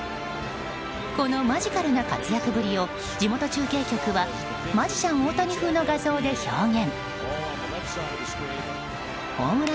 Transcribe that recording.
このマジカルな活躍ぶりを地元中継局はマジシャン大谷風の画像で表現。